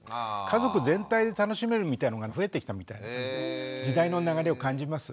家族全体で楽しめるみたいのが増えてきたみたいな感じで時代の流れを感じます。